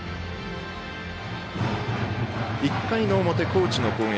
１回の表、高知の攻撃。